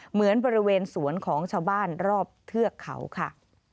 เหมือนบริเวณสวนของชาวบ้านรอบเทือกเขาค่ะ